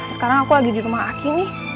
sekarang aku lagi di rumah aki nih